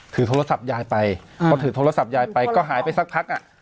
ถือโทรศัพท์ยายไปพอถือโทรศัพท์ยายไปก็หายไปสักพักอ่ะ